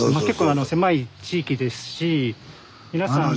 狭い地域ですし皆さん。